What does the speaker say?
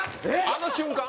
あの瞬間？